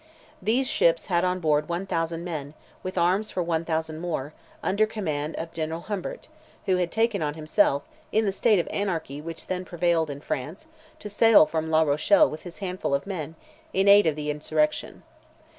These ships had on board 1,000 men, with arms for 1,000 more, under command of General Humbert, who had taken on himself, in the state of anarchy which then prevailed in France, to sail from La Rochelle with this handful of men, in aid of the insurrection.